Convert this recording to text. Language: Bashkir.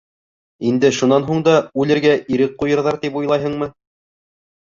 Инде шунан һуң да үлергә ирек ҡуйырҙар тип уйлайһыңмы?